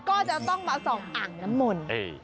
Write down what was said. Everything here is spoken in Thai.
ก็จะต้องประสอบอานณมล